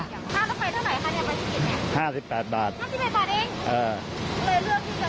นั่งรถไฟเท่าไหร่ค่ะเนี่ยมันจะกินเนี่ย